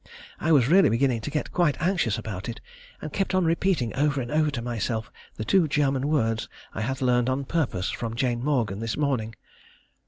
I was really beginning to get quite anxious about it, and kept on repeating over and over to myself the two German words I had learned on purpose from Jane Morgan this morning.